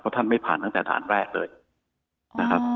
ท่านไม่ผ่านตั้งแต่ด่านแรกเลยนะครับ